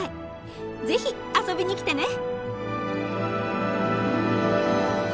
是非遊びに来てね！